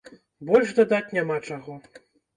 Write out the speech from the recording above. Больш дадаць няма чаго.